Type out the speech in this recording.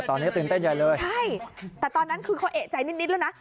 แต่ตอนนั้นคือเขาเอะใจนิดแล้วยังไง